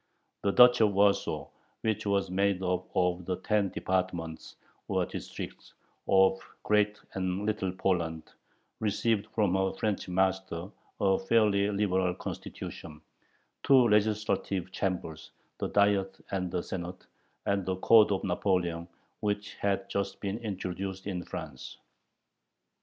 The Duchy of Warsaw, which was made up of the ten "departments," or districts, of Great and Little Poland, received from her French master a fairly liberal Constitution, two legislative chambers (the Diet and the Senate), and the "Code of Napoleon," which had just been introduced in France.